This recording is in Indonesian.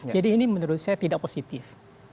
jadi ini menurut saya tidak positif